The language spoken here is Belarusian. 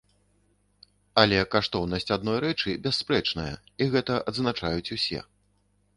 Але каштоўнасць адной рэчы бясспрэчная, і гэта адзначаюць усе.